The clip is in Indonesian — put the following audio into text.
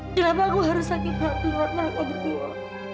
kenapa aku harus lagi berarti waktu aku berdua